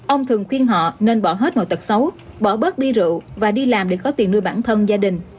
ông thường khuyên họ nên bỏ hết ngồi tật xấu bỏ bớt đi rượu và đi làm để có tiền nuôi bản thân gia đình